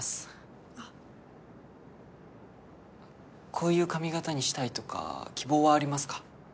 こういう髪形にしたいとか希望はありますか？